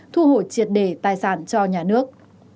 thu hộ triệt đề tài sản cho nhà nước